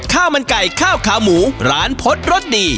ข้าวมันไก่ข้าวขาหมูร้านพจน์รสดี